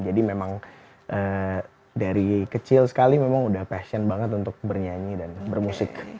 jadi memang dari kecil sekali memang udah passion banget untuk bernyanyi dan bermusik